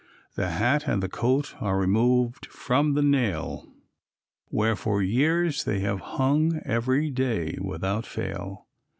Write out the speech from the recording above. The hat and the coat are removed from the nail, Where for years they have hung, every day without fail.